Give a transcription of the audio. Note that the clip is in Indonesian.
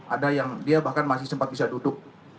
ada yang dia bahkan masih sempat bisa duduk